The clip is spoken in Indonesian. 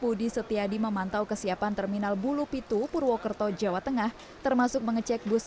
budi setiadi memantau kesiapan terminal bulu pitu purwokerto jawa tengah termasuk mengecek bus